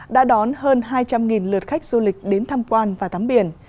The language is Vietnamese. đã đón hơn hai trăm linh lượt khách du lịch đến thăm quan và thắm biển